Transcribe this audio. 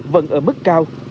vẫn ở mức cao